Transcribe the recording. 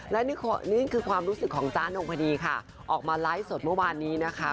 และนี่คือความรู้สึกของจ๊ะนงพดีค่ะออกมาไลฟ์สดเมื่อวานนี้นะคะ